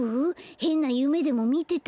へんなゆめでもみてた？